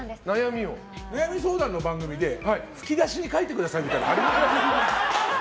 悩み相談の番組で吹き出しに書いてくださいみたいなのあります？